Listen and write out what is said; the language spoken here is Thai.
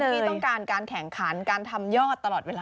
ที่ต้องการการแข่งขันการทำยอดตลอดเวลา